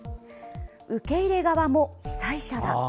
受け入れ側も被災者だ。